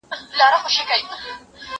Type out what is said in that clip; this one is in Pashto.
زه پرون ځواب ليکم!؟